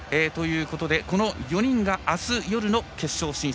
この４人があす夜の決勝進出。